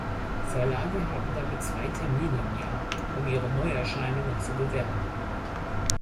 Verlage haben damit zwei Termine im Jahr, um ihre Neuerscheinungen zu bewerben.